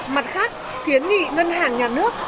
mặt khác tiến nghị ngân hàng nhà nước